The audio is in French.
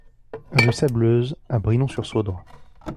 Rue Sableuse à Brinon-sur-Sauldre